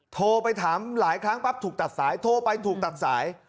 โทรไปถามหลายครั้งปั๊บถูกตัดสายโทรไปถูกตัดสาย